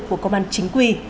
của công an chính quy